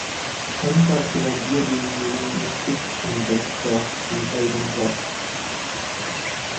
Panzergrenadierdivision mit Sitz in Wentorf und Elmenhorst.